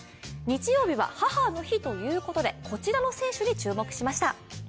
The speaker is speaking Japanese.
日曜日は母の日ということでこちらの選手に注目しました。